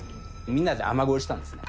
みんなで雨ごいしたんですね。